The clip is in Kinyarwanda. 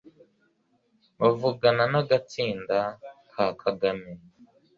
bavugana n'agatsinda ka Kagame,